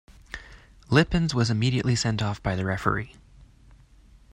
Lippens was immediately sent off by the referee.